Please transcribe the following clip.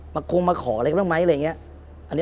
มาคงมาขออะไรเมื่องไหมอะไรอย่างนี้